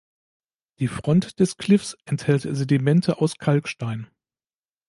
Die Front des Kliffs enthält Sedimente aus Kalkstein.